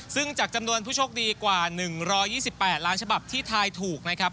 ซึ่งจากจำนวนผู้โชคดีกว่า๑๒๘ล้านฉบับที่ทายถูกนะครับ